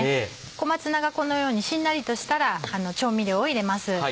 小松菜がこのようにしんなりとしたら調味料を入れます。